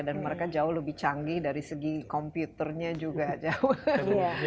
dan mereka jauh lebih canggih dari segi komputernya juga jauh